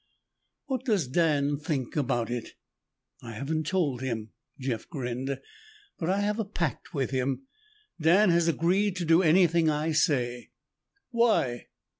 "What does Dan think about it?" "I haven't told him," Jeff grinned, "but I have a pact with him. Dan has agreed to do anything I say." "Why?"